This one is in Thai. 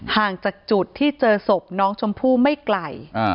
ห่างจากจุดที่เจอศพน้องชมพู่ไม่ไกล